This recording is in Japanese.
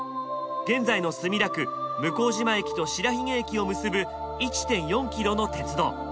現在の墨田区向島駅と白鬚駅を結ぶ１．４キロの鉄道。